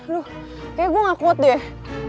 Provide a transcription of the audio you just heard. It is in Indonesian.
aduh kayaknya gue gak kuat deh